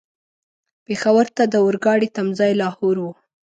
پېښور ته د اورګاډي تم ځای لاهور و.